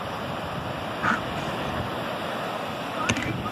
ضميرونه لا هم بې قراره دي-